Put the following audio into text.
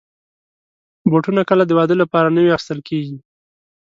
بوټونه کله د واده لپاره نوي اخیستل کېږي.